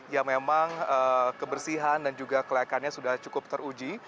yang memang kebersihan dan juga kelayakannya sudah cukup teruji